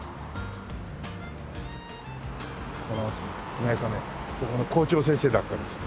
意外とねここの校長先生だったりする。